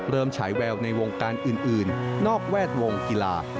ฉายแววในวงการอื่นนอกแวดวงกีฬา